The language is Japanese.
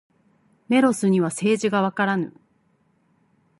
メロスには政治がわからぬ。